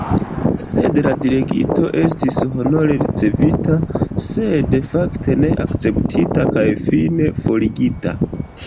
Sed la delegito estis honore ricevita sed, fakte, ne akceptita kaj fine forigita!